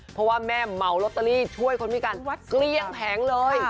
เพราะว่าแม่เมาลอตเตอรี่ช่วยคนพิการเกลี้ยงแผงเลย